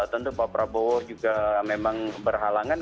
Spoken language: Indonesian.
tentu pak prabowo juga memang berhalangan